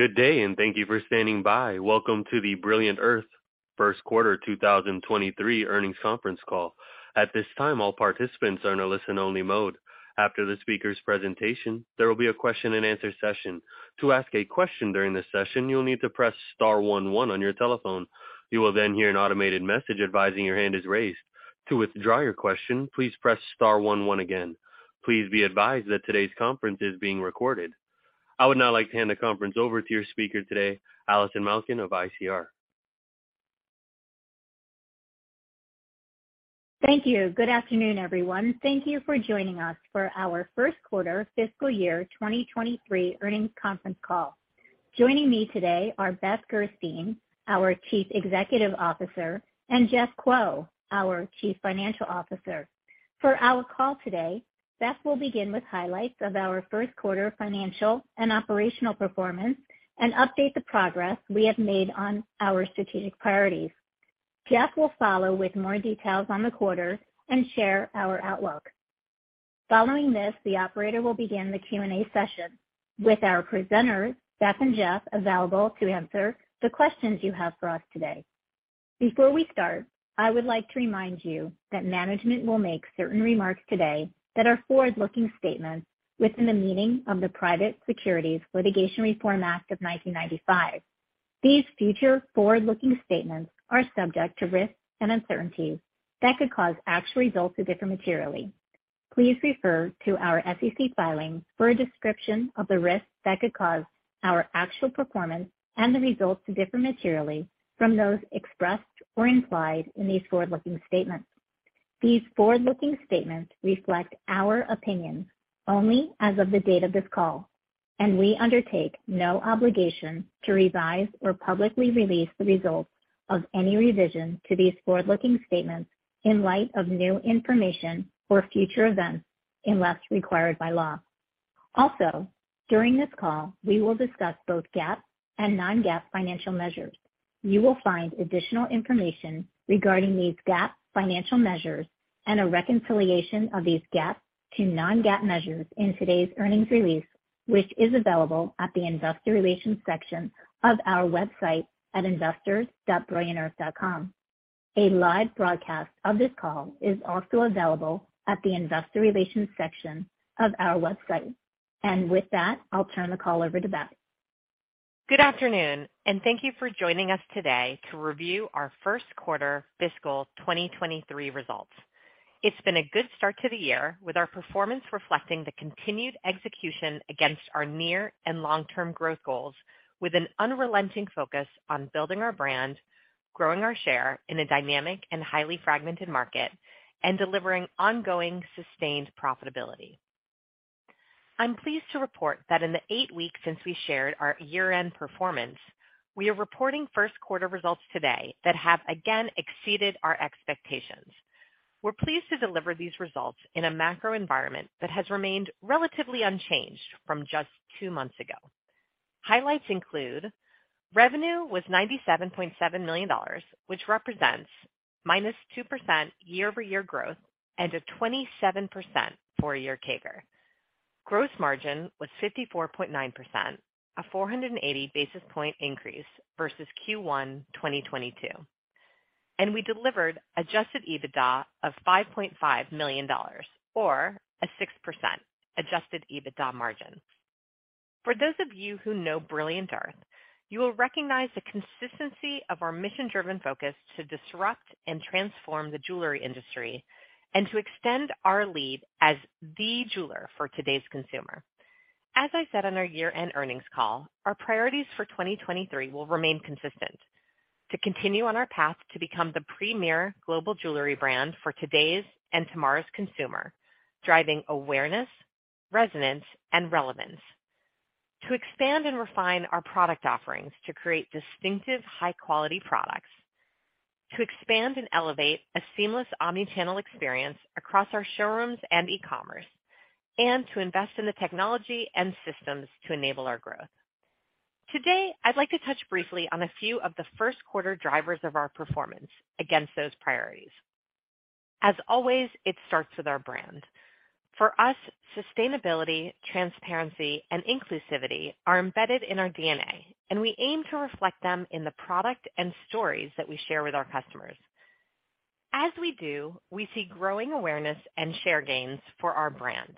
Good day. Thank you for standing by. Welcome to the Brilliant Earth first quarter 2023 earnings conference call. At this time, all participants are in a listen-only mode. After the speaker's presentation, there will be a question-and-answer session. To ask a question during this session, you'll need to press star one one on your telephone. You will hear an automated message advising your hand is raised. To withdraw your question, please press star one one again. Please be advised that today's conference is being recorded. I would now like to hand the conference over to your speaker today, Allison Malkin of ICR. Thank you. Good afternoon, everyone. Thank you for joining us for our first quarter FY23 earnings conference call. Joining me today are Beth Gerstein, our Chief Executive Officer, and Jeff Kuo, our Chief Financial Officer. For our call today, Beth will begin with highlights of our first quarter financial and operational performance and update the progress we have made on our strategic priorities. Jeff will follow with more details on the quarter and share our outlook. Following this, the operator will begin the Q&A session with our presenters, Beth and Jeff, available to answer the questions you have for us today. Before we start, I would like to remind you that management will make certain remarks today that are forward-looking statements within the meaning of the Private Securities Litigation Reform Act of 1995. These future forward-looking statements are subject to risks and uncertainties that could cause actual results to differ materially. Please refer to our SEC filings for a description of the risks that could cause our actual performance and the results to differ materially from those expressed or implied in these forward-looking statements. These forward-looking statements reflect our opinion only as of the date of this call. We undertake no obligation to revise or publicly release the results of any revision to these forward-looking statements in light of new information or future events, unless required by law. During this call, we will discuss both GAAP and non-GAAP financial measures. You will find additional information regarding these GAAP financial measures and a reconciliation of these GAAP to non-GAAP measures in today's earnings release, which is available at the investor relations section of our website at investors.brilliantearth.com. A live broadcast of this call is also available at the investor relations section of our website. With that, I'll turn the call over to Beth. Good afternoon. Thank you for joining us today to review our first quarter fiscal 2023 results. It's been a good start to the year, with our performance reflecting the continued execution against our near and long-term growth goals, with an unrelenting focus on building our brand, growing our share in a dynamic and highly fragmented market, and delivering ongoing sustained profitability. I'm pleased to report that in the eight weeks since we shared our year-end performance, we are reporting first quarter results today that have again exceeded our expectations. We're pleased to deliver these results in a macro environment that has remained relatively unchanged from just two months ago. Highlights include: Revenue was $97.7 million, which represents -2% year-over-year growth and a 27% four-year CAGR. Gross margin was 54.9%, a 480 basis point increase versus Q1 2022. We delivered Adjusted EBITDA of $5.5 million or a 6% Adjusted EBITDA margin. For those of you who know Brilliant Earth, you will recognize the consistency of our mission-driven focus to disrupt and transform the jewelry industry and to extend our lead as the jeweler for today's consumer. As I said on our year-end earnings call, our priorities for 2023 will remain consistent: To continue on our path to become the premier global jewelry brand for today's and tomorrow's consumer, driving awareness, resonance, and relevance. To expand and refine our product offerings to create distinctive, high-quality products. To expand and elevate a seamless omnichannel experience across our showrooms and e-commerce. To invest in the technology and systems to enable our growth. Today, I'd like to touch briefly on a few of the first quarter drivers of our performance against those priorities. As always, it starts with our brand. For us, sustainability, transparency, and inclusivity are embedded in our DNA, and we aim to reflect them in the product and stories that we share with our customers. As we do, we see growing awareness and share gains for our brand.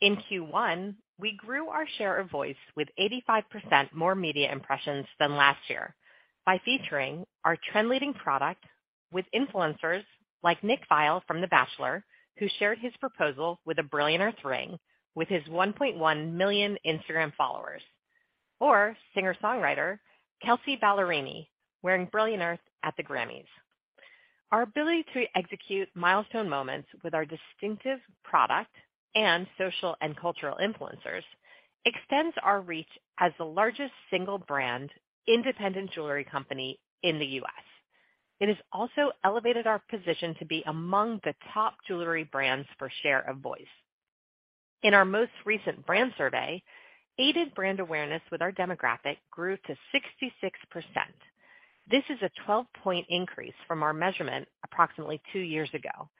In Q1, we grew our share of voice with 85% more media impressions than last year by featuring our trend-leading product with influencers like Nick Viall from The Bachelor, who shared his proposal with a Brilliant Earth ring with his 1.1 million Instagram followers, or singer-songwriter Kelsea Ballerini wearing Brilliant Earth at the Grammys. Our ability to execute milestone moments with our distinctive product and social and cultural influencers extends our reach as the largest single-brand independent jewelry company in the US. It has also elevated our position to be among the top jewelry brands for share of voice. In our most recent brand survey, aided brand awareness with our demographic grew to 66%. This is a 12-point increase from our measurement approximately two years ago,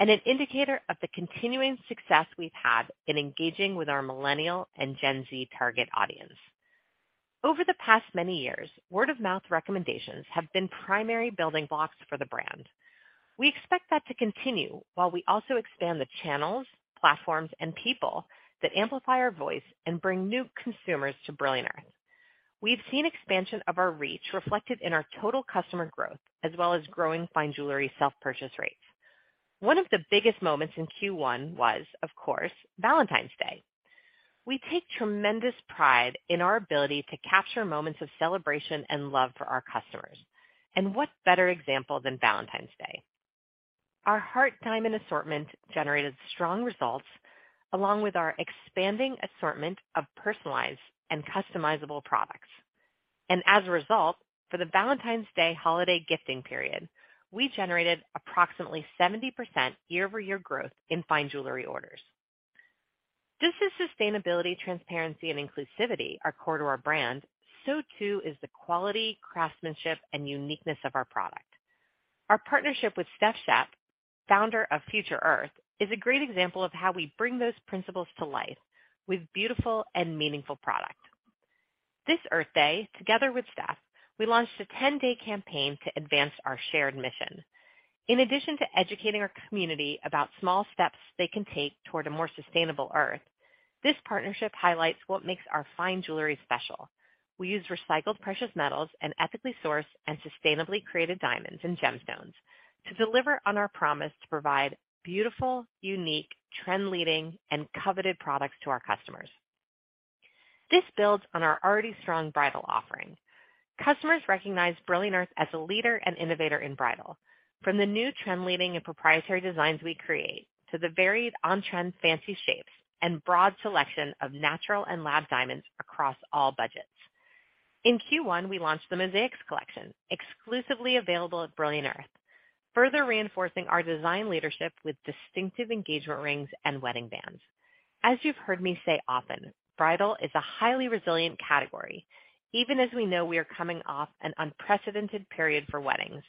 and an indicator of the continuing success we've had in engaging with our millennial and Gen Z target audience. Over the past many years, word-of-mouth recommendations have been primary building blocks for the brand. We expect that to continue while we also expand the channels, platforms, and people that amplify our voice and bring new consumers to Brilliant Earth. We've seen expansion of our reach reflected in our total customer growth, as well as growing fine jewelry self-purchase rates. One of the biggest moments in Q1 was, of course, Valentine's Day. We take tremendous pride in our ability to capture moments of celebration and love for our customers. What better example than Valentine's Day? Our heart diamond assortment generated strong results along with our expanding assortment of personalized and customizable products. As a result, for the Valentine's Day holiday gifting period, we generated approximately 70% year-over-year growth in fine jewelry orders. Just as sustainability, transparency, and inclusivity are core to our brand, so too is the quality, craftsmanship, and uniqueness of our product. Our partnership with Steph Shep, founder of Future Earth, is a great example of how we bring those principles to life with beautiful and meaningful product. This Earth Day, together with Stef, we launched a 10-day campaign to advance our shared mission. In addition to educating our community about small steps they can take toward a more sustainable Earth, this partnership highlights what makes our fine jewelry special. We use recycled precious metals and ethically sourced and sustainably created diamonds and gemstones to deliver on our promise to provide beautiful, unique, trend-leading, and coveted products to our customers. This builds on our already strong bridal offering. Customers recognize Brilliant Earth as a leader and innovator in bridal, from the new trend-leading and proprietary designs we create to the varied on-trend fancy shapes and broad selection of natural and lab diamonds across all budgets. In Q1, we launched the Mosaics collection, exclusively available at Brilliant Earth, further reinforcing our design leadership with distinctive engagement rings and wedding bands. As you've heard me say often, bridal is a highly resilient category, even as we know we are coming off an unprecedented period for weddings.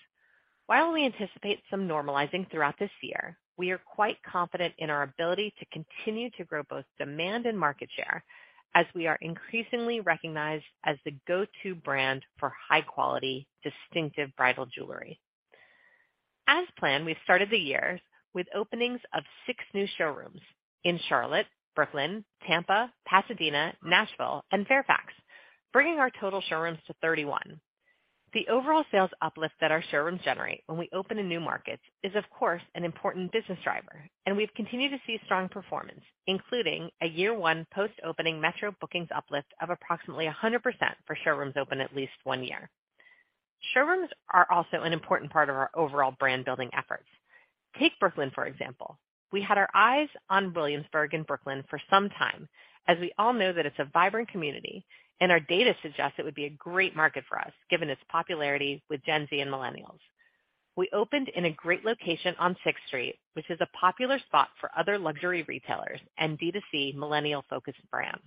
While we anticipate some normalizing throughout this year, we are quite confident in our ability to continue to grow both demand and market share as we are increasingly recognized as the go-to brand for high-quality, distinctive bridal jewelry. As planned, we started the year with openings of six new showrooms in Charlotte, Brooklyn, Tampa, Pasadena, Nashville, and Fairfax, bringing our total showrooms to 31. The overall sales uplift that our showrooms generate when we open in new markets is, of course, an important business driver, and we've continued to see strong performance, including a year one post-opening metro bookings uplift of approximately 100% for showrooms open at least one year. Showrooms are also an important part of our overall brand-building efforts. Take Brooklyn, for example. We had our eyes on Williamsburg in Brooklyn for some time, as we all know that it's a vibrant community, and our data suggests it would be a great market for us, given its popularity with Gen Z and millennials. We opened in a great location on Sixth Street, which is a popular spot for other luxury retailers and D2C millennial-focused brands.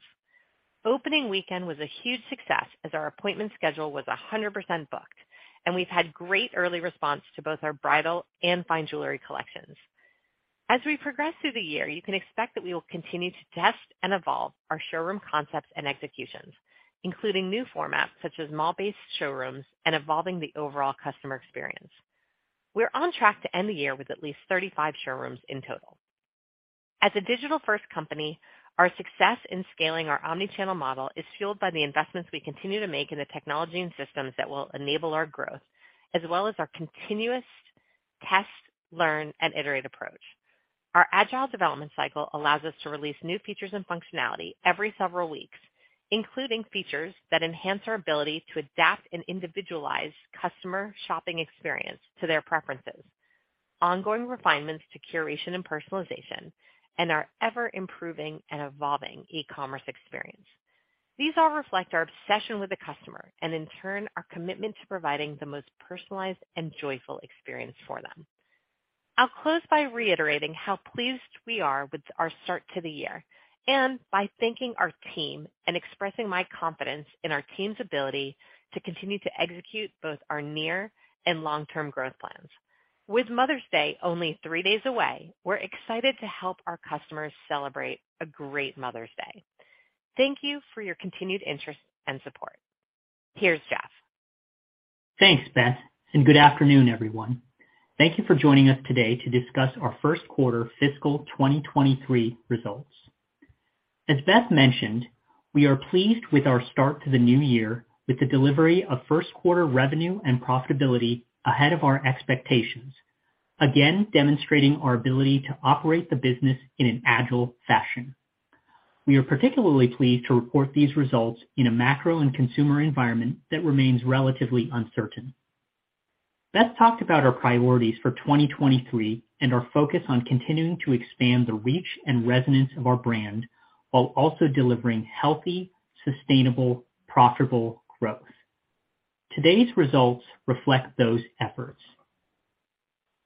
Opening weekend was a huge success as our appointment schedule was 100% booked, and we've had great early response to both our bridal and fine jewelry collections. As we progress through the year, you can expect that we will continue to test and evolve our showroom concepts and executions, including new formats such as mall-based showrooms and evolving the overall customer experience. We're on track to end the year with at least 35 showrooms in total. As a digital-first company, our success in scaling our omni-channel model is fueled by the investments we continue to make in the technology and systems that will enable our growth, as well as our continuous test, learn, and iterate approach. Our agile development cycle allows us to release new features and functionality every several weeks, including features that enhance our ability to adapt and individualize customer shopping experience to their preferences, ongoing refinements to curation and personalization, and our ever-improving and evolving e-commerce experience. These all reflect our obsession with the customer and, in turn, our commitment to providing the most personalized and joyful experience for them. I'll close by reiterating how pleased we are with our start to the year and by thanking our team and expressing my confidence in our team's ability to continue to execute both our near and long-term growth plans. With Mother's Day only three days away, we're excited to help our customers celebrate a great Mother's Day. Thank you for your continued interest and support. Here's Jeff. Thanks, Beth. Good afternoon, everyone. Thank You for joining us today to discuss our first quarter fiscal 2023 results. As Beth mentioned, we are pleased with our start to the new year with the delivery of first quarter revenue and profitability ahead of our expectations, again demonstrating our ability to operate the business in an agile fashion. We are particularly pleased to report these results in a macro and consumer environment that remains relatively uncertain. Beth talked about our priorities for 2023 and our focus on continuing to expand the reach and resonance of our brand while also delivering healthy, sustainable, profitable growth. Today's results reflect those efforts.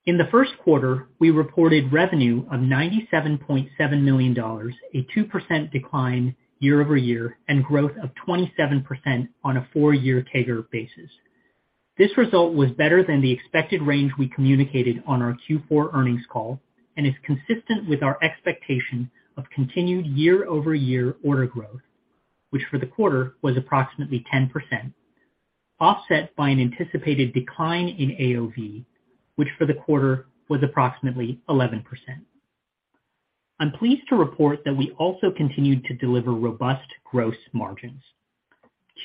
In the first quarter, we reported revenue of $97.7 million, a 2% decline year-over-year, and growth of 27% on a four-year CAGR basis. This result was better than the expected range we communicated on our Q4 earnings call and is consistent with our expectation of continued year-over-year order growth, which for the quarter was approximately 10%, offset by an anticipated decline in AOV, which for the quarter was approximately 11%. I'm pleased to report that we also continued to deliver robust gross margins.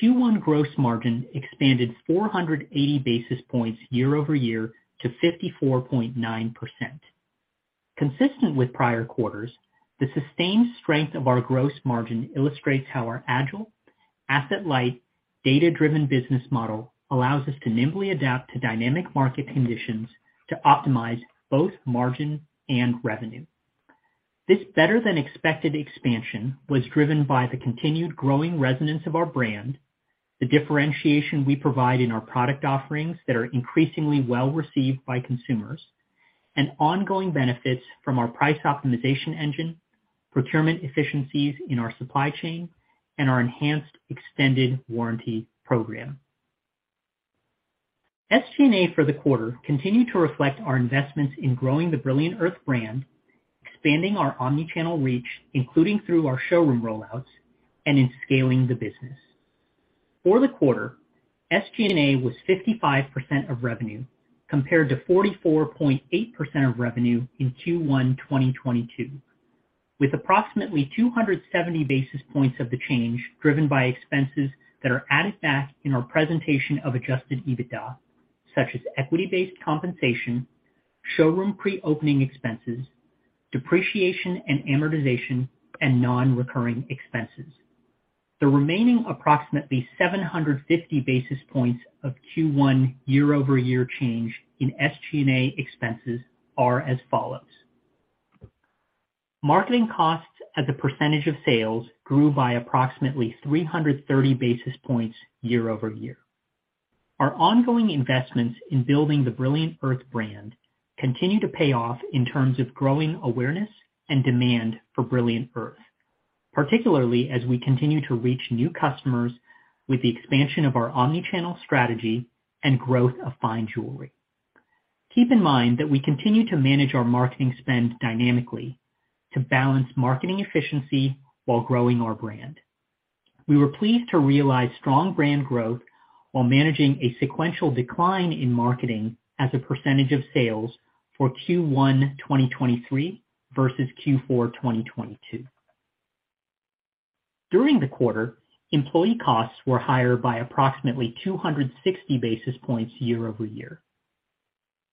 Q1 gross margin expanded 480 basis points year-over-year to 54.9%. Consistent with prior quarters, the sustained strength of our gross margin illustrates how our agile, asset-light, data-driven business model allows us to nimbly adapt to dynamic market conditions to optimize both margin and revenue. This better than expected expansion was driven by the continued growing resonance of our brand, the differentiation we provide in our product offerings that are increasingly well received by consumers, and ongoing benefits from our price optimization engine, procurement efficiencies in our supply chain, and our enhanced extended warranty program. SG&A for the quarter continued to reflect our investments in growing the Brilliant Earth brand, expanding our omni-channel reach, including through our showroom rollouts, and in scaling the business. For the quarter, SG&A was 55% of revenue, compared to 44.8% of revenue in Q1 2022, with approximately 270 basis points of the change driven by expenses that are added back in our presentation of Adjusted EBITDA, such as equity-based compensation, showroom pre-opening expenses, depreciation and amortization, and non-recurring expenses. The remaining approximately 750 basis points of Q1 year-over-year change in SG&A expenses are as follows. Marketing costs as a percentage of sales grew by approximately 330 basis points year-over-year. Our ongoing investments in building the Brilliant Earth brand continue to pay off in terms of growing awareness and demand for Brilliant Earth, particularly as we continue to reach new customers with the expansion of our omni-channel strategy and growth of fine jewelry. Keep in mind that we continue to manage our marketing spend dynamically to balance marketing efficiency while growing our brand. We were pleased to realize strong brand growth while managing a sequential decline in marketing as a percentage of sales for Q1 2023 versus Q4 2022. During the quarter, employee costs were higher by approximately 260 basis points year-over-year.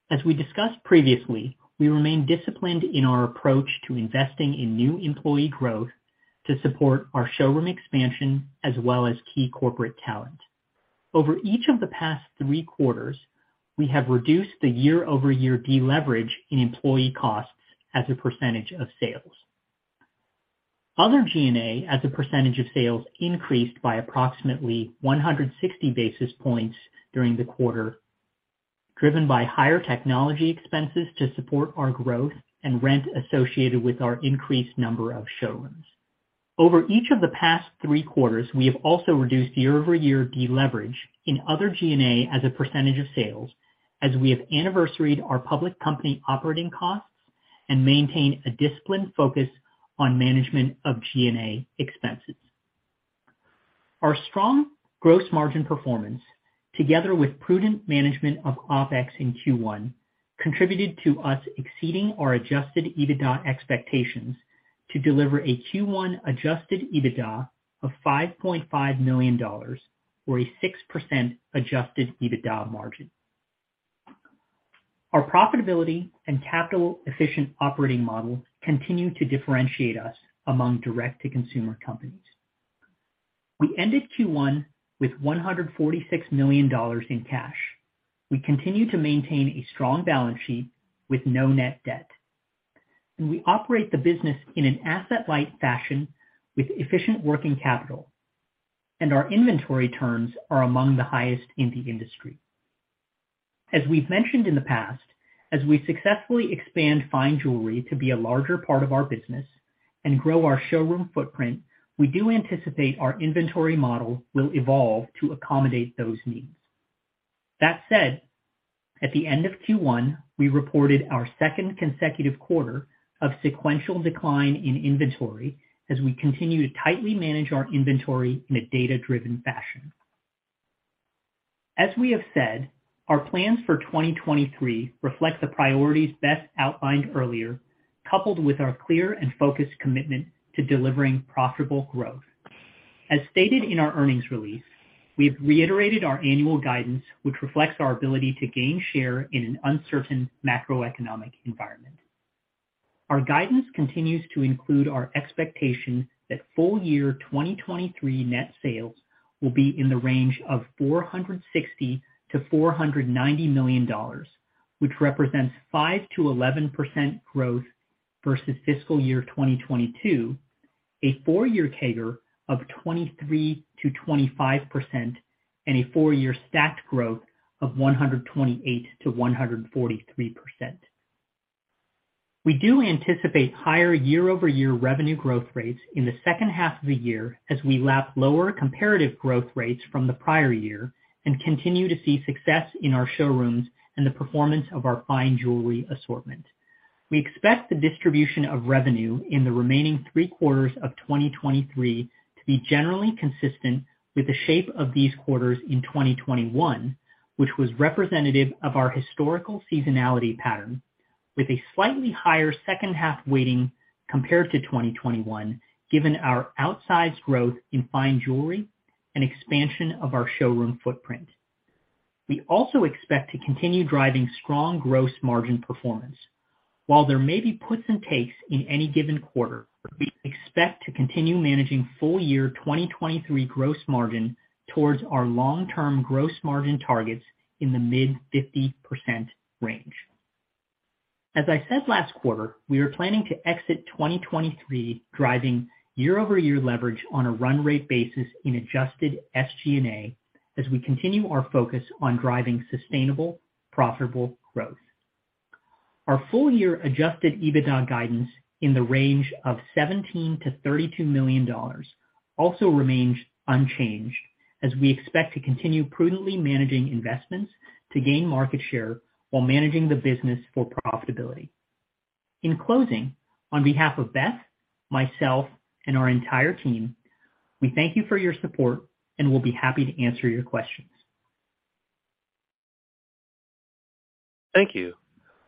As we discussed previously, we remain disciplined in our approach to investing in new employee growth to support our showroom expansion as well as key corporate talent. Over each of the past three quarters, we have reduced the year-over-year deleverage in employee costs as a % of sales. Other G&A as a % of sales increased by approximately 160 basis points during the quarter, driven by higher technology expenses to support our growth and rent associated with our increased number of showrooms. Over each of the past three quarters, we have also reduced year-over-year deleverage in other G&A as a % of sales as we have anniversaried our public company operating costs and maintain a disciplined focus on management of G&A expenses. Our strong gross margin performance, together with prudent management of OpEx in Q1, contributed to us exceeding our Adjusted EBITDA expectations to deliver a Q1 Adjusted EBITDA of $5.5 million or a 6% Adjusted EBITDA margin. Our profitability and capital efficient operating model continue to differentiate us among direct-to-consumer companies. We ended Q1 with $146 million in cash. We continue to maintain a strong balance sheet with no net debt. We operate the business in an asset-light fashion with efficient working capital, and our inventory terms are among the highest in the industry. As we've mentioned in the past, as we successfully expand fine jewelry to be a larger part of our business and grow our showroom footprint, we do anticipate our inventory model will evolve to accommodate those needs. That said, at the end of Q1, we reported our second consecutive quarter of sequential decline in inventory as we continue to tightly manage our inventory in a data-driven fashion. As we have said, our plans for 2023 reflect the priorities best outlined earlier, coupled with our clear and focused commitment to delivering profitable growth. As stated in our earnings release, we've reiterated our annual guidance, which reflects our ability to gain share in an uncertain macroeconomic environment. Our guidance continues to include our expectation that full-year 2023 net sales will be in the range of $460 million-$490 million, which represents 5%-11% growth versus FY22. A four-year CAGR of 23%-25% and a four-year stacked growth of 128%-143%. We do anticipate higher year-over-year revenue growth rates in the second half of the year as we lap lower comparative growth rates from the prior year and continue to see success in our showrooms and the performance of our fine jewelry assortment. We expect the distribution of revenue in the remaining 3 quarters of 2023 to be generally consistent with the shape of these quarters in 2021, which was representative of our historical seasonality pattern with a slightly higher second half weighting compared to 2021, given our outsized growth in fine jewelry and expansion of our showroom footprint. We also expect to continue driving strong gross margin performance. While there may be puts and takes in any given quarter, we expect to continue managing full-year 2023 gross margin towards our long-term gross margin targets in the mid-50% range. As I said last quarter, we are planning to exit 2023 driving year-over-year leverage on a run rate basis in Adjusted SG&A as we continue our focus on driving sustainable, profitable growth. Our full-year Adjusted EBITDA guidance in the range of $17 million-$32 million also remains unchanged as we expect to continue prudently managing investments to gain market share while managing the business for profitability. In closing, on behalf of Beth, myself, and our entire team, we thank you for your support, we'll be happy to answer your questions. Thank you.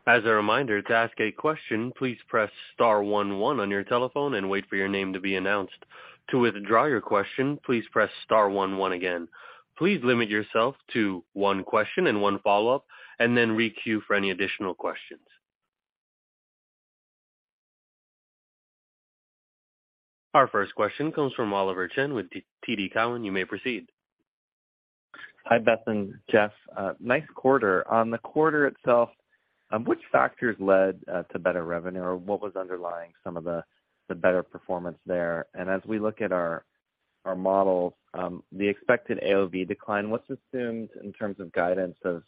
As a reminder, to ask a question, please press star one one on your telephone and wait for your name to be announced. To withdraw your question, please press star one one again. Please limit yourself to one question and one follow-up, and then re-queue for any additional questions. Our first question comes from Oliver Chen with TD Cowen. You may proceed. Hi, Beth and Jeff. Nice quarter. On the quarter itself, which factors led to better revenue? Or what was underlying some of the better performance there? As we look at our models, the expected AOV decline, what's assumed in terms of guidance as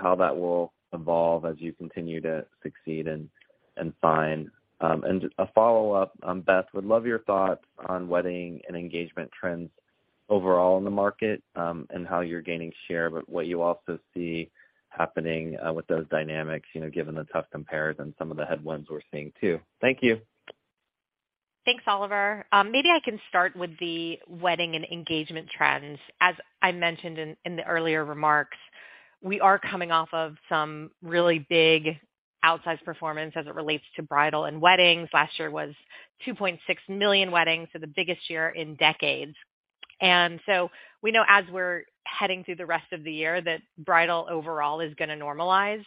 how that will evolve as you continue to succeed and find... A follow-up, Beth, would love your thoughts on wedding and engagement trends overall in the market, and how you're gaining share, but what you also see happening with those dynamics, you know, given the tough compares and some of the headwinds we're seeing too. Thank you. Thanks, Oliver. Maybe I can start with the wedding and engagement trends. As I mentioned in the earlier remarks, we are coming off of some really big outsized performance as it relates to bridal and weddings. Last year was 2.6 million weddings, so the biggest year in decades. We know as we're heading through the rest of the year that bridal overall is gonna normalize,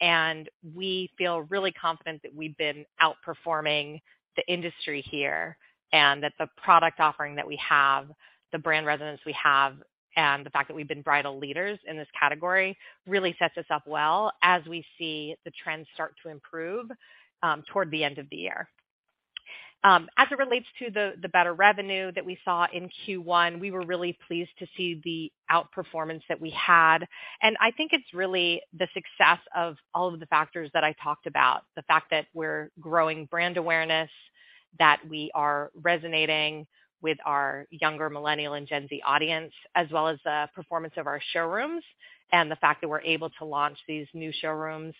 and we feel really confident that we've been outperforming the industry here, and that the product offering that we have, the brand resonance we have, and the fact that we've been bridal leaders in this category really sets us up well as we see the trends start to improve toward the end of the year. As it relates to the better revenue that we saw in Q1, we were really pleased to see the outperformance that we had. I think it's really the success of all of the factors that I talked about. The fact that we're growing brand awareness, that we are resonating with our younger millennial and Gen Z audience, as well as the performance of our showrooms and the fact that we're able to launch these new showrooms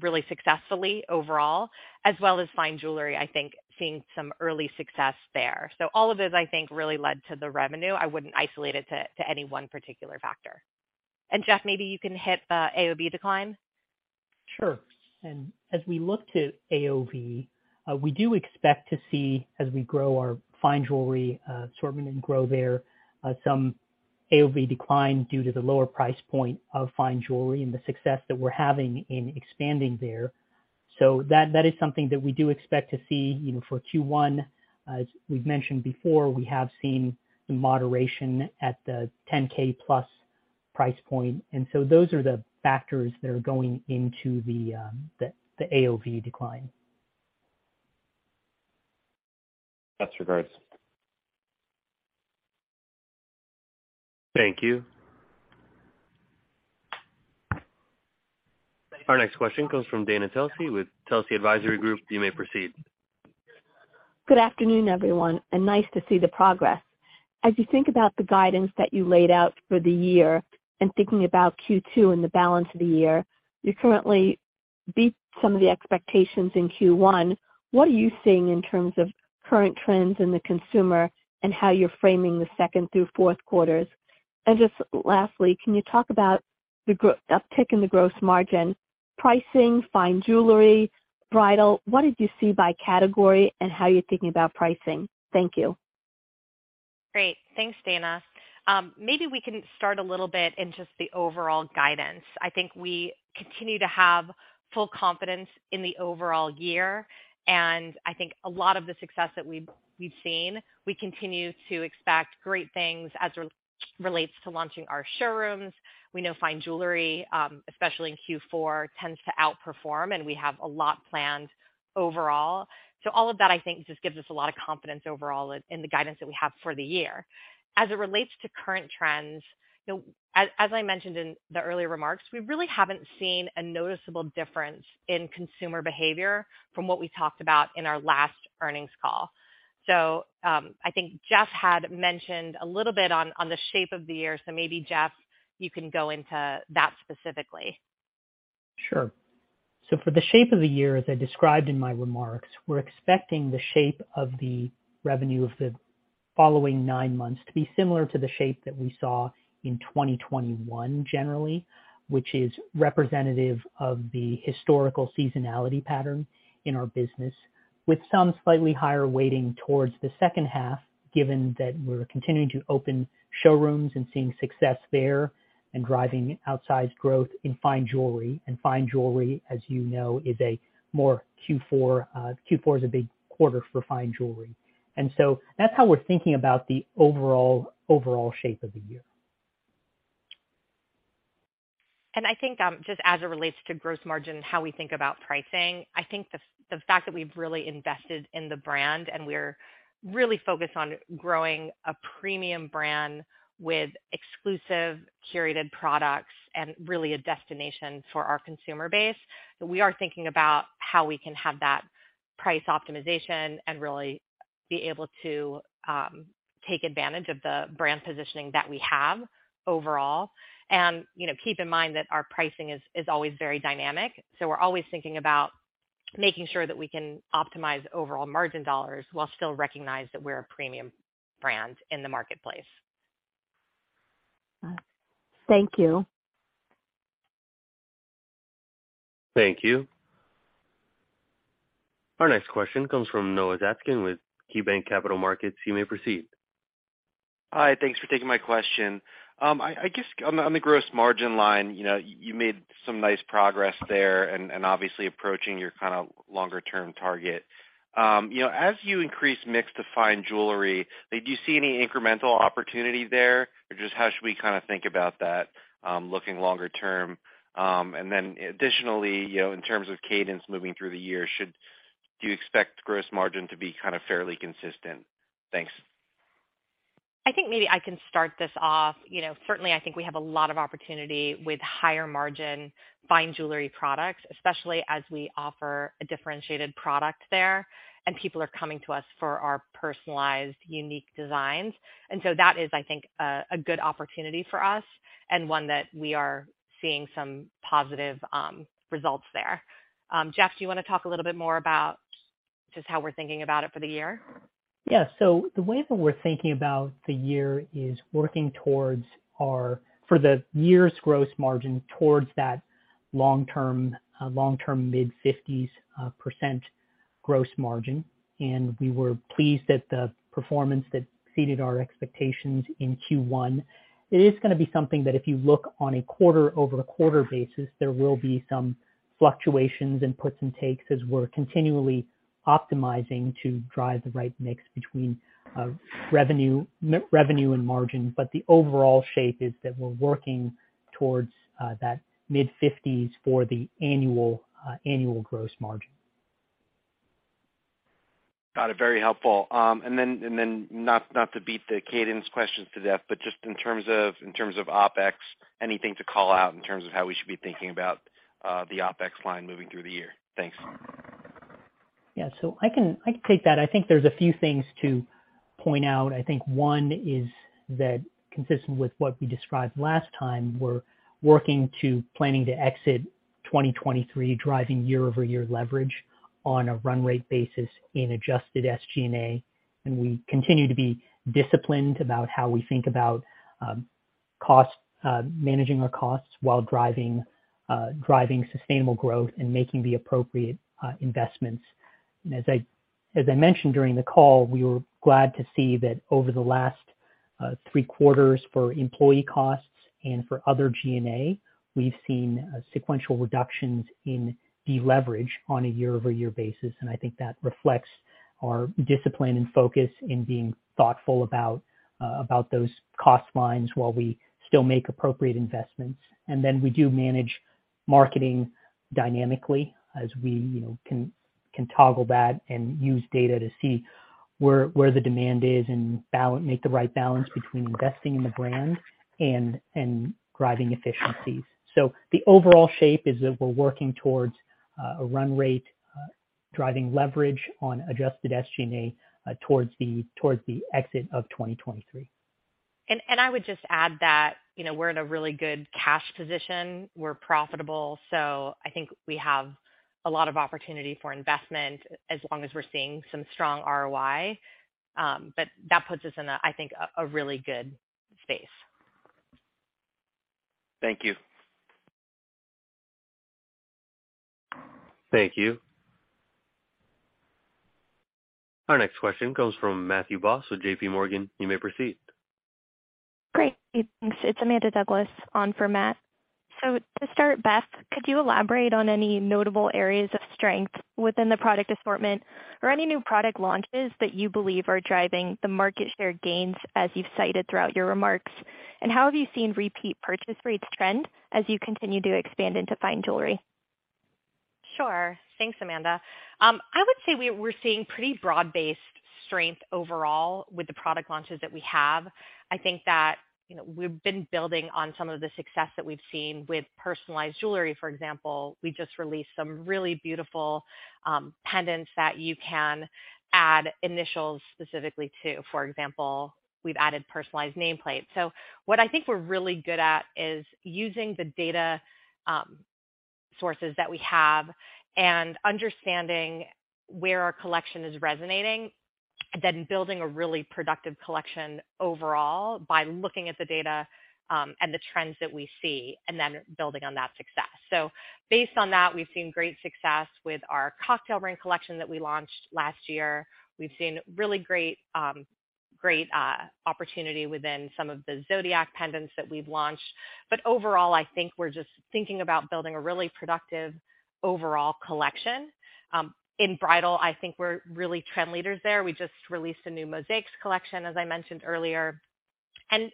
really successfully overall, as well as fine jewelry, I think seeing some early success there. All of those, I think, really led to the revenue. I wouldn't isolate it to any one particular factor. Jeff, maybe you can hit AOV decline. Sure. As we look to AOV, we do expect to see, as we grow our fine jewelry assortment and grow there, some AOV decline due to the lower price point of fine jewelry and the success that we're having in expanding there. That is something that we do expect to see, you know, for Q1. As we've mentioned before, we have seen some moderation at the $10K plus price point. Those are the factors that are going into the AOV decline. Best regards. Thank you. Our next question comes from Dana Telsey with Telsey Advisory Group. You may proceed. Good afternoon, everyone, nice to see the progress. As you think about the guidance that you laid out for the year and thinking about Q2 and the balance of the year, you currently beat some of the expectations in Q1. What are you seeing in terms of current trends in the consumer and how you're framing the second through fourth quarters? Just lastly, can you talk about the uptick in the gross margin, pricing, fine jewelry, bridal? What did you see by category and how you're thinking about pricing? Thank you. Great. Thanks, Dana. Maybe we can start a little bit in just the overall guidance. I think we continue to have full confidence in the overall year, and I think a lot of the success that we've seen, we continue to expect great things as relates to launching our showrooms. We know fine jewelry, especially in Q4, tends to outperform, and we have a lot planned overall. All of that, I think, just gives us a lot of confidence overall in the guidance that we have for the year. As it relates to current trends, you know, as I mentioned in the earlier remarks, we really haven't seen a noticeable difference in consumer behavior from what we talked about in our last earnings call. I think Jeff had mentioned a little bit on the shape of the year, so maybe Jeff, you can go into that specifically. For the shape of the year, as I described in my remarks, we're expecting the shape of the revenue of the following nine months to be similar to the shape that we saw in 2021 generally, which is representative of the historical seasonality pattern in our business, with some slightly higher weighting towards the second half, given that we're continuing to open showrooms and seeing success there and driving outsized growth in fine jewelry. Fine jewelry, as you know, is a more Q4. Q4 is a big quarter for fine jewelry. That's how we're thinking about the overall shape of the year. I think, just as it relates to gross margin, how we think about pricing, I think the fact that we've really invested in the brand, and we're really focused on growing a premium brand with exclusive curated products and really a destination for our consumer base, that we are thinking about how we can have that price optimization and really be able to take advantage of the brand positioning that we have overall. You know, keep in mind that our pricing is always very dynamic. We're always thinking about making sure that we can optimize overall margin dollars while still recognize that we're a premium brand in the marketplace. Thank you. Thank you. Our next question comes from Noah Zatzkin with KeyBanc Capital Markets. You may proceed. Hi. Thanks for taking my question. I guess on the, on the gross margin line, you know, you made some nice progress there and obviously approaching your kinda longer-term target. You know, as you increase mix to fine jewelry, like, do you see any incremental opportunity there, or just how should we kinda think about that, looking longer term? Additionally, you know, in terms of cadence moving through the year, do you expect gross margin to be kinda fairly consistent? Thanks. I think maybe I can start this off. You know, certainly, I think we have a lot of opportunity with higher margin fine jewelry products, especially as we offer a differentiated product there, and people are coming to us for our personalized, unique designs. That is, I think, a good opportunity for us and one that we are seeing some positive results there. Jeff, do you wanna talk a little bit more about just how we're thinking about it for the year? The way that we're thinking about the year is working for the year's gross margin towards that long-term mid-50s % gross margin. We were pleased that the performance that exceeded our expectations in Q1. It is gonna be something that if you look on a quarter-over-quarter basis, there will be some fluctuations and puts and takes as we're continually optimizing to drive the right mix between revenue and margin. The overall shape is that we're working towards that mid-50s for the annual gross margin. Got it. Very helpful. Not to beat the cadence questions to death, but just in terms of OpEx, anything to call out in terms of how we should be thinking about the OpEx line moving through the year? Thanks. I can take that. I think there's a few things to point out. I think one is that consistent with what we described last time, we're working to planning to exit 2023, driving year-over-year leverage on a run rate basis in Adjusted SG&A. We continue to be disciplined about how we think about cost, managing our costs while driving sustainable growth and making the appropriate investments. As I mentioned during the call, we were glad to see that over the last three quarters for employee costs and for other G&A, we've seen a sequential reductions in deleverage on a year-over-year basis. I think that reflects our discipline and focus in being thoughtful about those cost lines while we still make appropriate investments. We do manage marketing dynamically as we, you know, can toggle that and use data to see where the demand is and make the right balance between investing in the brand and driving efficiencies. The overall shape is that we're working towards a run rate, driving leverage on Adjusted SG&A towards the exit of 2023. I would just add that, you know, we're in a really good cash position. We're profitable. I think we have a lot of opportunity for investment as long as we're seeing some strong ROI. That puts us in a, I think, a really good space. Thank you. Thank you. Our next question comes from Matthew Boss with JP Morgan. You may proceed. Great. Thanks. It's Amanda Douglas on for Matthew Boss. To start, Beth Gerstein, could you elaborate on any notable areas of strength within the product assortment or any new product launches that you believe are driving the market share gains as you've cited throughout your remarks? How have you seen repeat purchase rates trend as you continue to expand into fine jewelry? Sure. Thanks, Amanda. I would say we're seeing pretty broad-based strength overall with the product launches that we have. I think that, you know, we've been building on some of the success that we've seen with personalized jewelry, for example. We just released some really beautiful pendants that you can add initials specifically to. For example, we've added personalized nameplates. What I think we're really good at is using the data sources that we have and understanding where our collection is resonating, then building a really productive collection overall by looking at the data and the trends that we see and then building on that success. Based on that, we've seen great success with our cocktail ring collection that we launched last year. We've seen really great great opportunity within some of the zodiac pendants that we've launched. Overall, I think we're just thinking about building a really productive overall collection. In bridal, I think we're really trend leaders there. We just released a new Mosaics collection, as I mentioned earlier.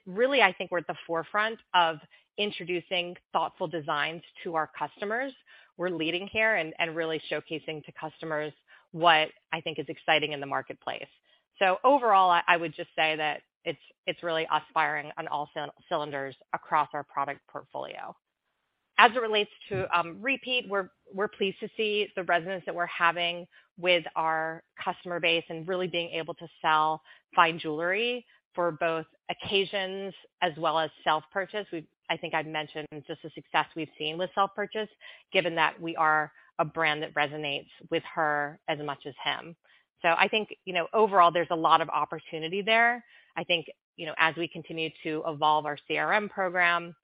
Really, I think we're at the forefront of introducing thoughtful designs to our customers. We're leading here and really showcasing to customers what I think is exciting in the marketplace. Overall, I would just say that it's really us firing on all cylinders across our product portfolio. As it relates to repeat, we're pleased to see the resonance that we're having with our customer base and really being able to sell fine jewelry for both occasions as well as self-purchase. I think I've mentioned just the success we've seen with self-purchase, given that we are a brand that resonates with her as much as him. I think, you know, overall, there's a lot of opportunity there. I think, you know, as we continue to evolve our CRM program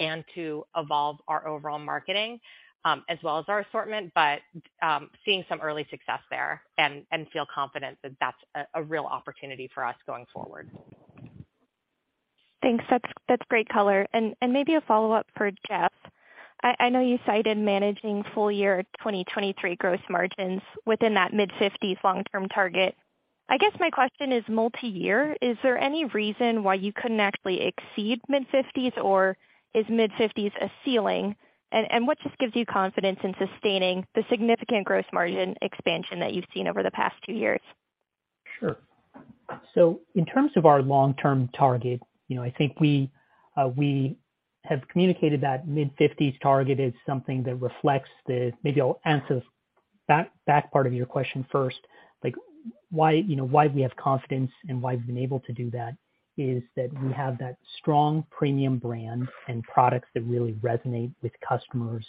and to evolve our overall marketing, as well as our assortment, but seeing some early success there and feel confident that that's a real opportunity for us going forward. Thanks. That's great color. Maybe a follow-up for Jeff. I know you cited managing full-year 2023 gross margins within that mid-50s long-term target. I guess my question is multi-year. Is there any reason why you couldn't actually exceed mid-50s, or is mid-50s a ceiling? What just gives you confidence in sustaining the significant gross margin expansion that you've seen over the past two years? Sure. In terms of our long-term target, you know, I think we have communicated that mid-50s target is something that reflects the. Maybe I'll answer back part of your question first. Like, why, you know, why we have confidence and why we've been able to do that is that we have that strong premium brand and products that really resonate with customers.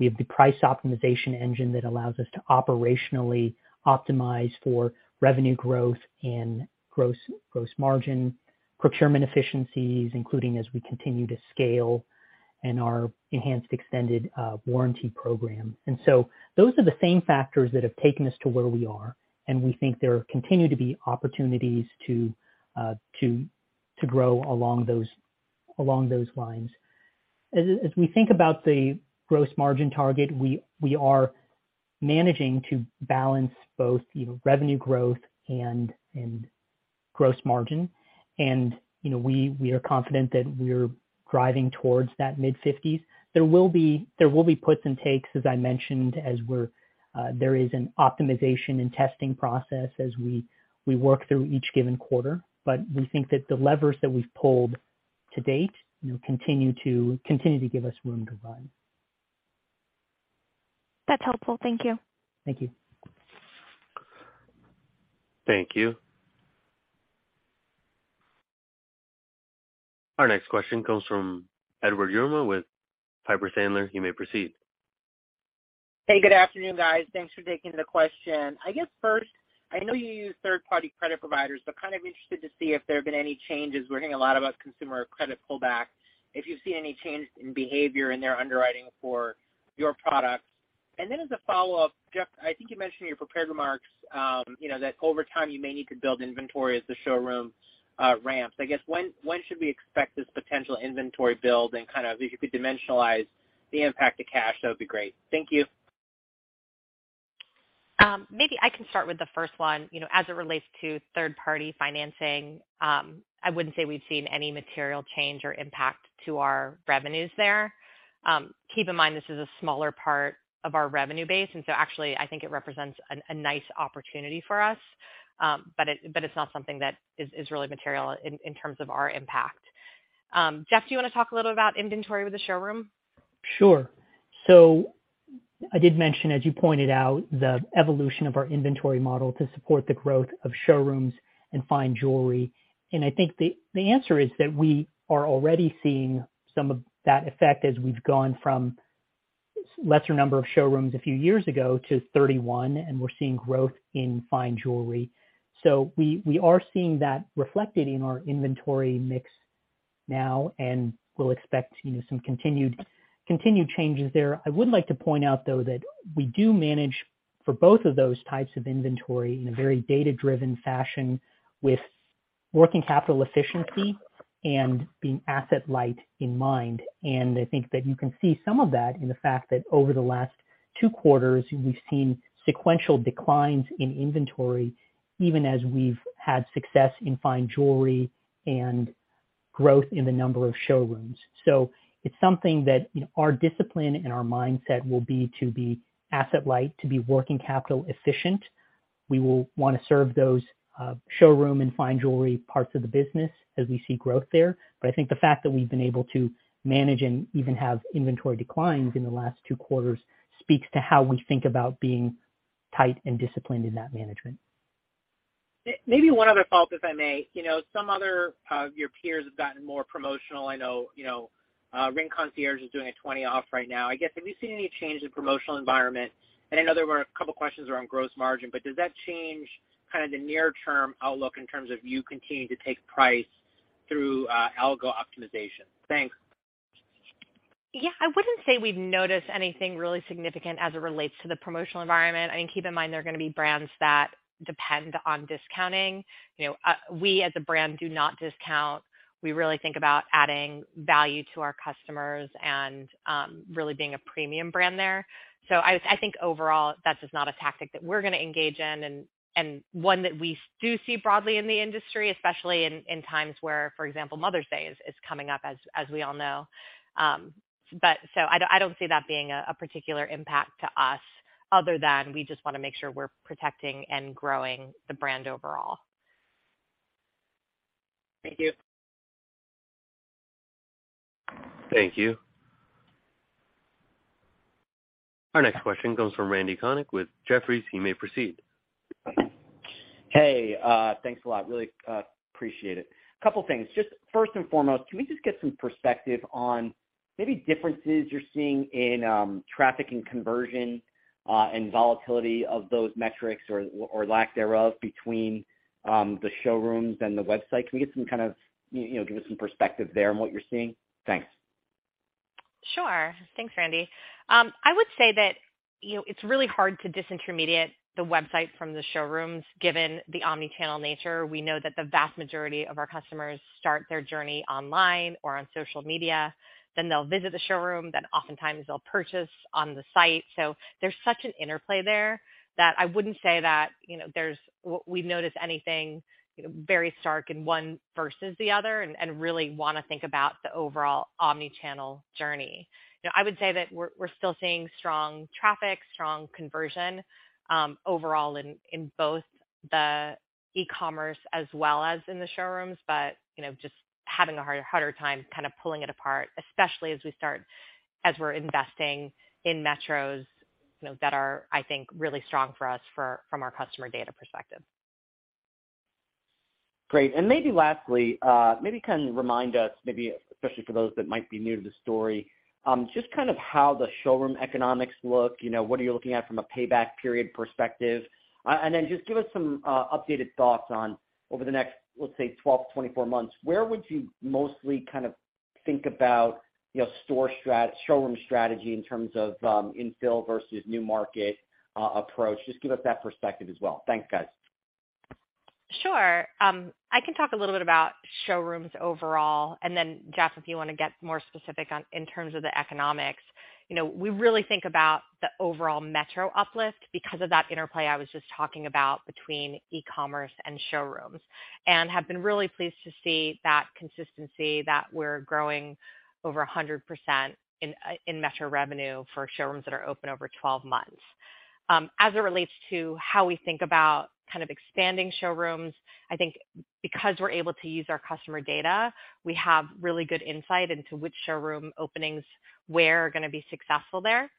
We have the price optimization engine that allows us to operationally optimize for revenue growth and gross margin, procurement efficiencies, including as we continue to scale, and our enhanced extended warranty program. Those are the same factors that have taken us to where we are, and we think there continue to be opportunities to grow along those, along those lines. As we think about the gross margin target, we are managing to balance both, you know, revenue growth and gross margin. You know, we are confident that we're driving towards that mid-50s%. There will be puts and takes, as I mentioned, as we're, there is an optimization and testing process as we work through each given quarter. We think that the levers that we've pulled to date, you know, continue to give us room to run. That's helpful. Thank you. Thank you. Thank you. Our next question comes from Edward Yruma with Piper Sandler. You may proceed. Hey, Good afternoon, guys. Thanks for taking the question. I guess first, I know you use third-party credit providers, but kind of interested to see if there have been any changes. We're hearing a lot about consumer credit pullback, if you've seen any change in behavior in their underwriting for your products. As a follow-up, Jeff, I think you mentioned in your prepared remarks, you know, that over time you may need to build inventory as the showroom ramps. I guess when should we expect this potential inventory build? And kind of if you could dimensionalize the impact to cash, that would be great. Thank you. Maybe I can start with the first one. You know, as it relates to third-party financing, I wouldn't say we've seen any material change or impact to our revenues there. Keep in mind this is a smaller part of our revenue base, actually, I think it represents a nice opportunity for us. But it's not something that is really material in terms of our impact. Jeff, do you wanna talk a little about inventory with the showroom? Sure. I did mention, as you pointed out, the evolution of our inventory model to support the growth of showrooms and fine jewelry. I think the answer is that we are already seeing some of that effect as we've gone from lesser number of showrooms a few years ago to 31, and we're seeing growth in fine jewelry. We are seeing that reflected in our inventory mix now, and we'll expect, you know, some continued changes there. I would like to point out, though, that we do manage for both of those types of inventory in a very data-driven fashion with working capital efficiency and being asset light in mind. I think that you can see some of that in the fact that over the last two quarters, we've seen sequential declines in inventory, even as we've had success in fine jewelry and growth in the number of showrooms. It's something that our discipline and our mindset will be to be asset light, to be working capital efficient. We will wanna serve those showroom and fine jewelry parts of the business as we see growth there. I think the fact that we've been able to manage and even have inventory declines in the last two quarters speaks to how we think about being tight and disciplined in that management. Maybe one other follow-up, if I may. You know, some other, your peers have gotten more promotional. I know, you know, Ring Concierge is doing a 20% off right now. I guess, have you seen any change in promotional environment? I know there were a couple of questions around gross margin, but does that change kind of the near term outlook in terms of you continuing to take price through, algo optimization? Thanks. I wouldn't say we've noticed anything really significant as it relates to the promotional environment. I mean, keep in mind, there are gonna be brands that depend on discounting. You know, we as a brand do not discount. We really think about adding value to our customers and really being a premium brand there. I think overall, that's just not a tactic that we're gonna engage in, and one that we do see broadly in the industry, especially in times where, for example, Mother's Day is coming up, as we all know. I don't, I don't see that being a particular impact to us other than we just wanna make sure we're protecting and growing the brand overall. Thank you. Thank you. Our next question comes from Randy Konik with Jefferies. He may proceed. Thanks a lot. Really appreciate it. A couple of things. Just first and foremost, can we just get some perspective on maybe differences you're seeing in traffic and conversion and volatility of those metrics or lack thereof between the showrooms and the website? Can we get some kind of, you know, give us some perspective there on what you're seeing? Thanks. Sure. Thanks, Randy. I would say that, you know, it's really hard to disintermediate the website from the showrooms, given the omni-channel nature. We know that the vast majority of our customers start their journey online or on social media, then they'll visit the showroom, then oftentimes they'll purchase on the site. There's such an interplay there that I wouldn't say that, you know, we notice anything, you know, very stark in one versus the other and really wanna think about the overall omni-channel journey. You know, I would say that we're still seeing strong traffic, strong conversion, overall in both the e-commerce as well as in the showrooms, but, you know, just having a harder time kind of pulling it apart, especially as we're investing in metros, you know, that are, I think, really strong for us from our customer data perspective. Great. Maybe lastly, maybe you can remind us, maybe especially for those that might be new to the story, just kind of how the showroom economics look. You know, what are you looking at from a payback period perspective? Then just give us some updated thoughts on over the next, let's say, 12-24 months, where would you mostly kind of think about, you know, showroom strategy in terms of infill versus new market approach? Just give us that perspective as well. Thanks, guys. Sure. I can talk a little bit about showrooms overall, and then, Jeff, if you wanna get more specific on in terms of the economics. You know, we really think about the overall metro uplift because of that interplay I was just talking about between e-commerce and showrooms, and have been really pleased to see that consistency that we're growing over 100% in metro revenue for showrooms that are open over 12 months. As it relates to how we think about kind of expanding showrooms, I think because we're able to use our customer data, we have really good insight into which showroom openings where are gonna be successful there.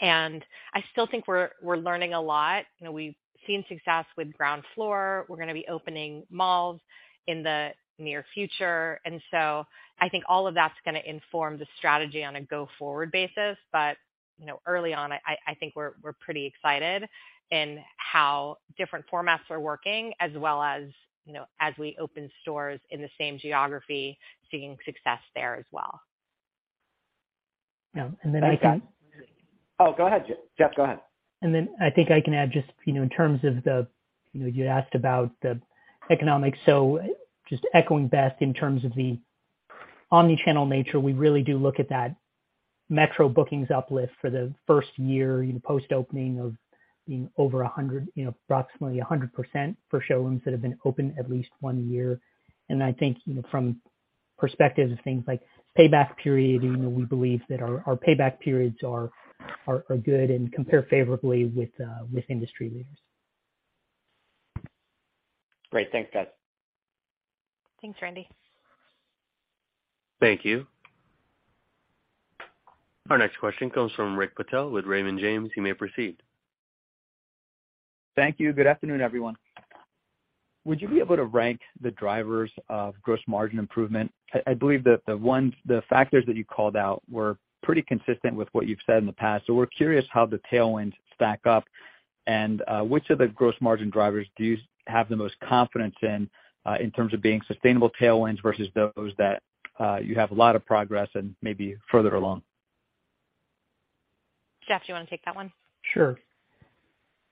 I still think we're learning a lot. You know, we've seen success with ground floor. We're gonna be opening malls in the near future. I think all of that's gonna inform the strategy on a go-forward basis. You know, early on, I think we're pretty excited in how different formats are working as well as, you know, as we open stores in the same geography, seeing success there as well. Yeah. Then I can- Oh, go ahead, Jeff. Go ahead. I think I can add just, you know, in terms of the, you know, you asked about the economics. Just echoing Beth in terms of the omni-channel nature, we really do look at that metro bookings uplift for the first year, you know, post-opening of, you know, over 100, you know, approximately 100% for showrooms that have been open at least one year. I think, you know, from perspective of things like payback period, you know, we believe that our payback periods are good and compare favorably with industry leaders. Great. Thanks, guys. Thanks, Randy. Thank you. Our next question comes from Rick Patel with Raymond James. He may proceed. Thank you. Good afternoon, everyone. Would you be able to rank the drivers of gross margin improvement? I believe that the factors that you called out were pretty consistent with what you've said in the past. We're curious how the tailwinds stack up and which of the gross margin drivers do you have the most confidence in in terms of being sustainable tailwinds versus those that you have a lot of progress and maybe further along? Jeff, do you wanna take that one? Sure.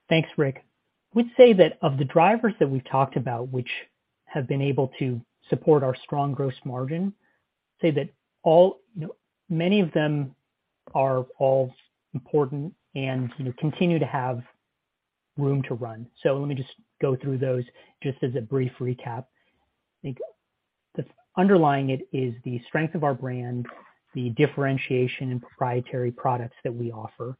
Thanks, Rick. We'd say that of the drivers that we've talked about, which have been able to support our strong gross margin, say that many of them are all important and, you know, continue to have room to run. Let me just go through those just as a brief recap. I think the underlying it is the strength of our brand, the differentiation and proprietary products that we offer.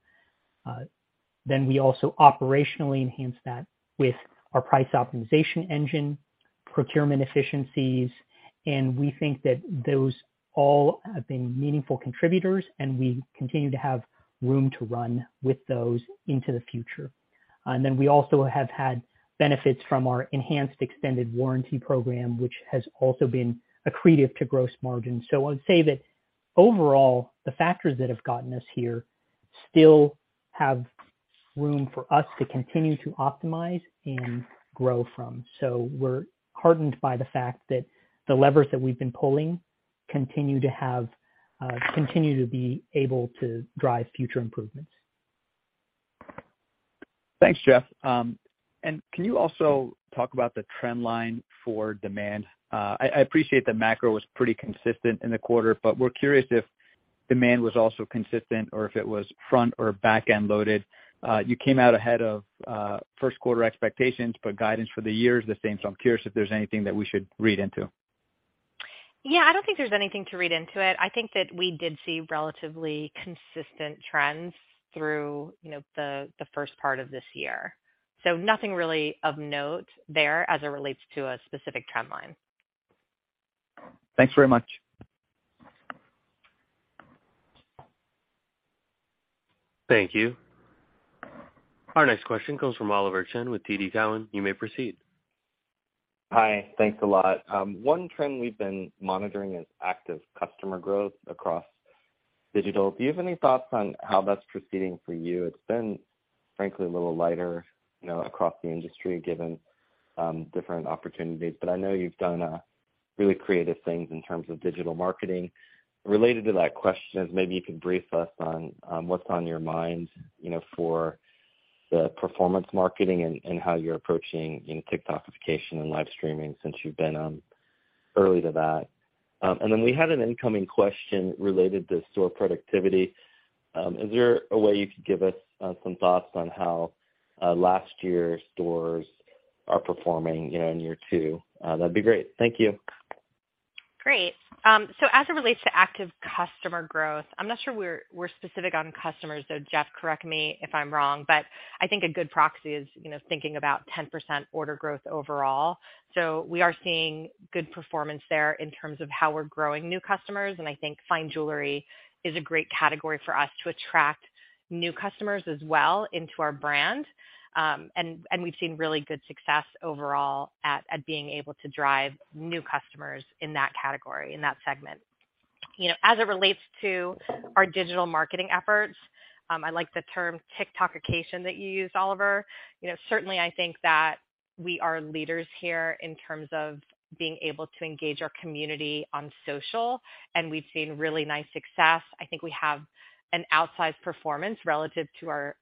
We also operationally enhance that with our price optimization engine, procurement efficiencies, and we think that those all have been meaningful contributors, and we continue to have room to run with those into the future. We also have had benefits from our enhanced extended warranty program, which has also been accretive to gross margin. I would say that overall, the factors that have gotten us here still have room for us to continue to optimize and grow from. We're heartened by the fact that the levers that we've been pulling continue to have, continue to be able to drive future improvements. Thanks, Jeff. Can you also talk about the trend line for demand? I appreciate that macro was pretty consistent in the quarter, we're curious if demand was also consistent or if it was front or back-end loaded. You came out ahead of first quarter expectations, guidance for the year is the same, I'm curious if there's anything that we should read into. Yeah, I don't think there's anything to read into it. I think that we did see relatively consistent trends through, you know, the first part of this year. Nothing really of note there as it relates to a specific trend line. Thanks very much. Thank you. Our next question comes from Oliver Chen with TD Cowen. You may proceed. Hi. Thanks a lot. One trend we've been monitoring is active customer growth across digital. Do you have any thoughts on how that's proceeding for you? It's been, frankly, a little lighter, you know, across the industry, given different opportunities, but I know you've done really creative things in terms of digital marketing. Related to that question is maybe you could brief us on what's on your mind, you know, for the performance marketing and how you're approaching, you know, TikTokification and live streaming since you've been early to that. We had an incoming question related to store productivity. Is there a way you could give us some thoughts on how last year's stores are performing, you know, in year two? That'd be great. Thank you. Great. As it relates to active customer growth, I'm not sure we're specific on customers, Jeff, correct me if I'm wrong, but I think a good proxy is, you know, thinking about 10% order growth overall. We are seeing good performance there in terms of how we're growing new customers, and I think fine jewelry is a great category for us to attract new customers as well into our brand. We've seen really good success overall at being able to drive new customers in that category, in that segment. You know, as it relates to our digital marketing efforts, I like the term TikTokification that you used, Oliver. You know, certainly I think that we are leaders here in terms of being able to engage our community on social, and we've seen really nice success. I think we have an outsized performance relative to our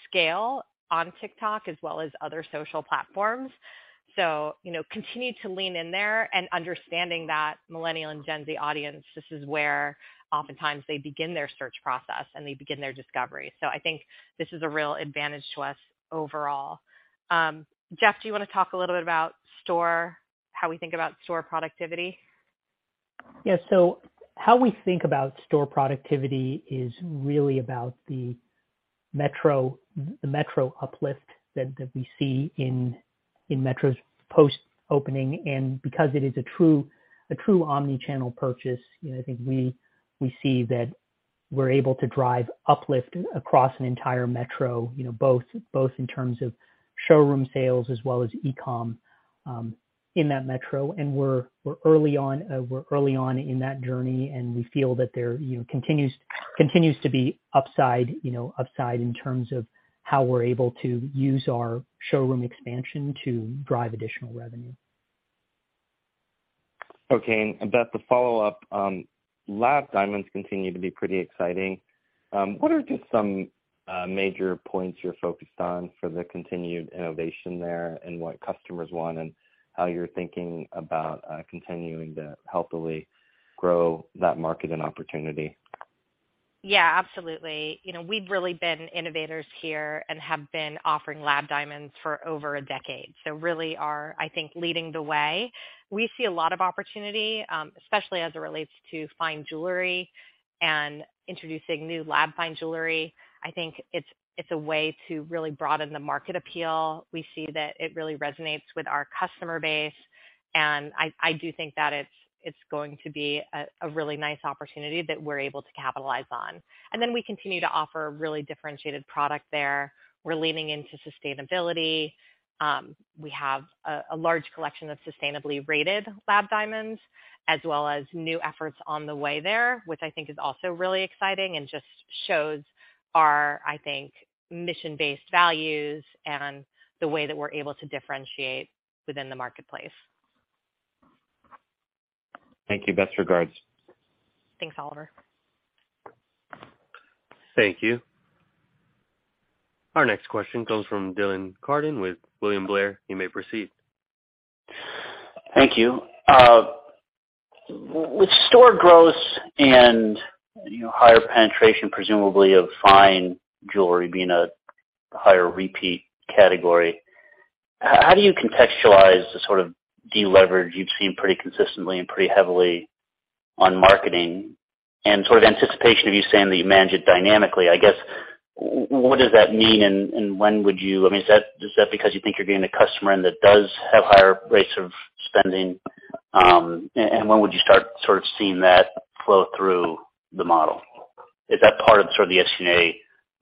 overall scale on TikTok as well as other social platforms. You know, continue to lean in there and understanding that millennial and Gen Z audience, this is where oftentimes they begin their search process and they begin their discovery. I think this is a real advantage to us overall. Jeff, do you wanna talk a little bit about store, how we think about store productivity? How we think about store productivity is really about the metro uplift that we see in metros post-opening. Because it is a true omni-channel purchase, you know, I think we see that we're able to drive uplift across an entire metro, you know, both in terms of showroom sales as well as e-com in that metro. We're early on in that journey, and we feel that there, you know, continues to be upside, you know, upside in terms of how we're able to use our showroom expansion to drive additional revenue. Okay. Beth, the follow-up, lab diamonds continue to be pretty exciting. What are just some major points you're focused on for the continued innovation there and what customers want and how you're thinking about continuing to healthily grow that market and opportunity? Yeah, absolutely. You know, we've really been innovators here and have been offering lab diamonds for over a decade. Really are, I think, leading the way. We see a lot of opportunity, especially as it relates to fine jewelry and introducing new lab fine jewelry. I think it's a way to really broaden the market appeal. We see that it really resonates with our customer base, and I do think that it's going to be a really nice opportunity that we're able to capitalize on. Then we continue to offer really differentiated product there. We're leaning into sustainability. We have a large collection of sustainably rated lab diamonds as well as new efforts on the way there, which I think is also really exciting and just shows our, I think, mission-based values and the way that we're able to differentiate within the marketplace. Thank you. Best regards. Thanks, Oliver. Thank you. Our next question comes from Dylan Carden with William Blair. You may proceed. Thank you. With store growth and, you know, higher penetration presumably of fine jewelry being a higher repeat category, how do you contextualize the sort of deleverage you've seen pretty consistently and pretty heavily on marketing? Sort of anticipation of you saying that you manage it dynamically, I guess, what does that mean? I mean, is that because you think you're gaining a customer and that does have higher rates of spending? When would you start sort of seeing that flow through the model? Is that part of sort of the SG&A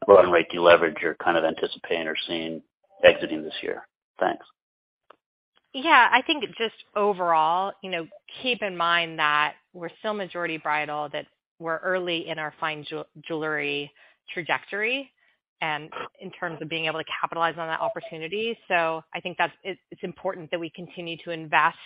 run rate deleverage you're kind of anticipating or seeing exiting this year? Thanks. I think just overall, you know, keep in mind that we're still majority bridal, that we're early in our fine jewelry trajectory and in terms of being able to capitalize on that opportunity. It's important that we continue to invest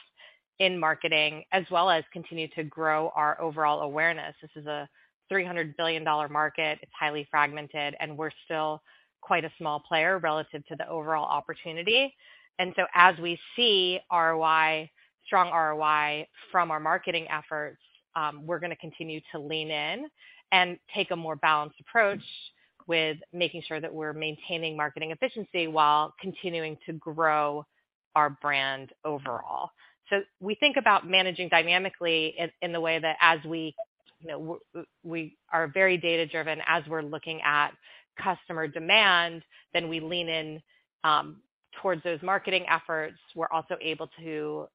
in marketing as well as continue to grow our overall awareness. This is a $300 billion market. It's highly fragmented, and we're still quite a small player relative to the overall opportunity. As we see ROI, strong ROI from our marketing efforts, we're gonna continue to lean in and take a more balanced approach with making sure that we're maintaining marketing efficiency while continuing to grow our brand overall. We think about managing dynamically in the way that as we, you know, we are very data-driven as we're looking at customer demand, then we lean in towards those marketing efforts. We're also able to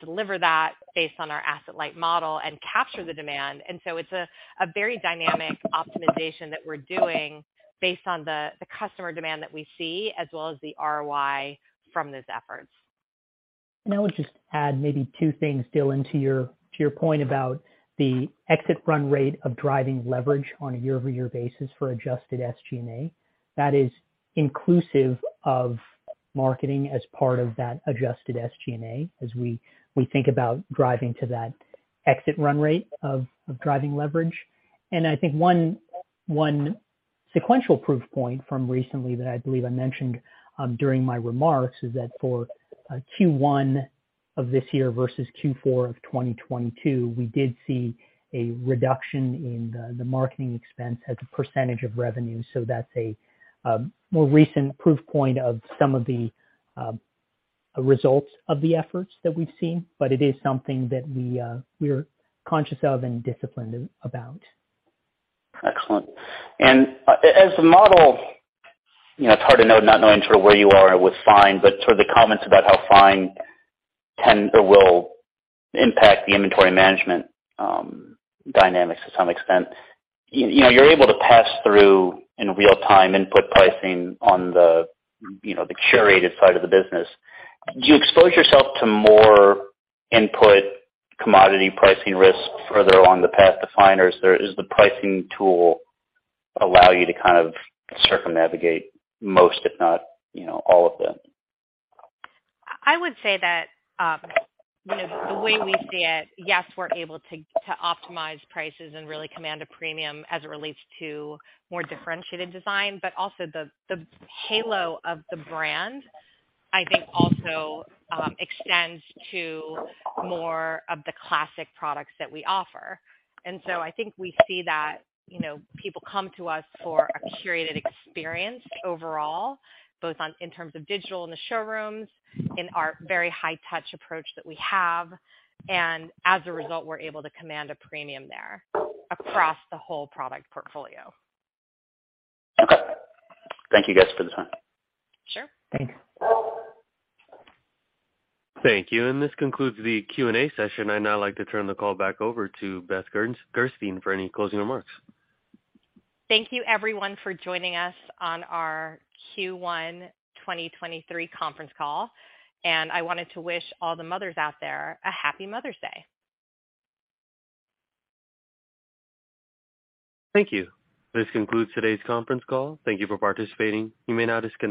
deliver that based on our asset-light model and capture the demand. It's a very dynamic optimization that we're doing based on the customer demand that we see as well as the ROI from those efforts. I would just add maybe two things, Dylan, to your point about the exit run rate of driving leverage on a year-over-year basis for Adjusted SG&A. That is inclusive of marketing as part of that Adjusted SG&A as we think about driving to that exit run rate of driving leverage. I think 1 sequential proof point from recently that I believe I mentioned during my remarks is that for Q1 of this year versus Q4 of 2022, we did see a reduction in the marketing expense as a percentage of revenue. That's a more recent proof point of some of the results of the efforts that we've seen, but it is something that we're conscious of and disciplined about. Excellent. As the model, you know, it's hard to know, not knowing sort of where you are with fine, but sort of the comments about how fine can or will impact the inventory management dynamics to some extent. You know, you're able to pass through in real time input pricing on the, you know, the curated side of the business. Do you expose yourself to more input commodity pricing risks further along the path to find or does the pricing tool allow you to kind of circumnavigate most if not, you know, all of that? I would say that, you know, the way we see it, yes, we're able to optimize prices and really command a premium as it relates to more differentiated design. Also the halo of the brand, I think also extends to more of the classic products that we offer. I think we see that, you know, people come to us for a curated experience overall, both in terms of digital, in the showrooms, in our very high touch approach that we have. As a result, we're able to command a premium there across the whole product portfolio. Okay. Thank you guys for the time. Sure. Thanks. Thank you. This concludes the Q&A session. I'd now like to turn the call back over to Beth Gerstein for any closing remarks. Thank you everyone for joining us on our Q1 2023 conference call. I wanted to wish all the mothers out there a Happy Mother's Day. Thank you. This concludes today's conference call. Thank you for participating. You may now disconnect.